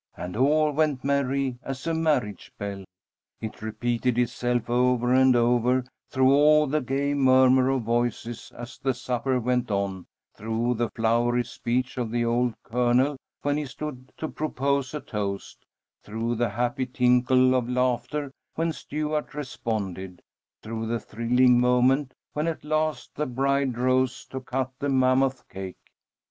And all went merry as a marriage bell!_" It repeated itself over and over, through all the gay murmur of voices as the supper went on, through the flowery speech of the old Colonel when he stood to propose a toast, through the happy tinkle of laughter when Stuart responded, through the thrilling moment when at last the bride rose to cut the mammoth cake.